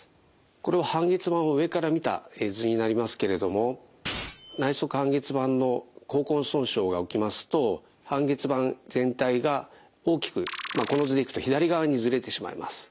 これは半月板を上から見た絵図になりますけれども内側半月板の後根損傷が起きますと半月板全体が大きくこの図でいくと左側にずれてしまいます。